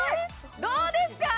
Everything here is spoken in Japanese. どうですか？